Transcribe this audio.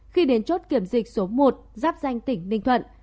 khi đến chốt kiểm dịch số một giáp danh tỉnh ninh thuận